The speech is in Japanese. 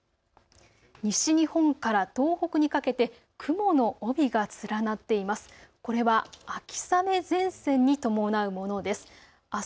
西日本から東北にかけて雲の帯が連なっています。